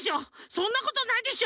そんなことないでしょ？